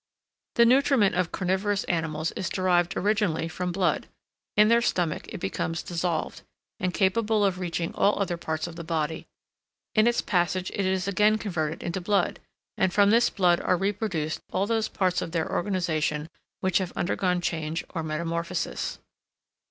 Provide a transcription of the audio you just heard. The nutriment of carnivorous animals is derived originally from blood; in their stomach it becomes dissolved, and capable of reaching all other parts of the body; in its passage it is again converted into blood, and from this blood are reproduced all those parts of their organisation which have undergone change or metamorphosis.